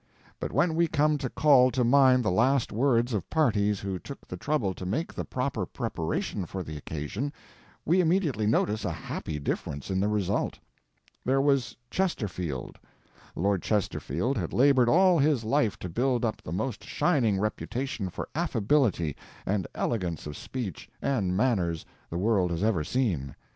But when we come to call to mind the last words of parties who took the trouble to make the proper preparation for the occasion, we immediately notice a happy difference in the result. There was Chesterfield. Lord Chesterfield had laboured all his life to build up the most shining reputation for affability and elegance of speech and manners the world has ever seen.